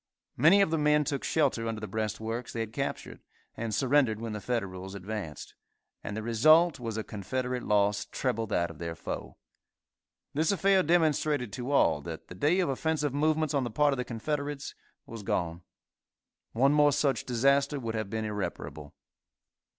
Many of the men took shelter under the breastworks they had captured, and surrendered when the Federals advanced, and the result was a Confederate loss treble that of their foe. This affair demonstrated to all that the day of offensive movements on the part of the Confederates was gone. One more such disaster would have been irreparable.